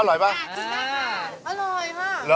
อร่อยมาก